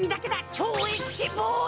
超Ｈボーイ！